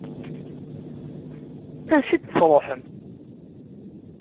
Ansi d-truḥem?